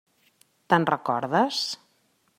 Te'n recordes?